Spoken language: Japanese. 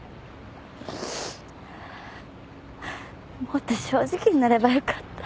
もっと正直になればよかった。